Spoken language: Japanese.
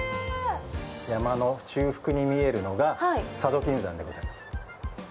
山の中腹に見えるのが佐渡金山でございます。